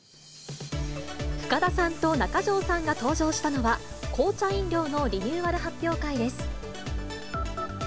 深田さんと中条さんが登場したのは、紅茶飲料のリニューアル発表会です。